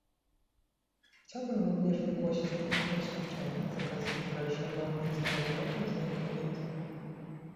Chciałbym również wygłosić krótkie oświadczenie z okazji wczorajszego Międzynarodowego Dnia Kobiet